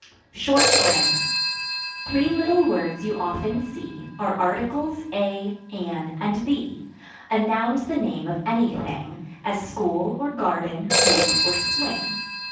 Short Grammar. Three little words you often see Are Articles, a, an, and the. A Noun's the name of any thing, As school, or garden, hoop, or swing.